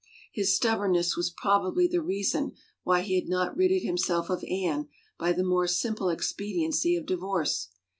His stub bornness was probably the reason why he had not ridded himself of Anne by the more simple expediency of di vorce.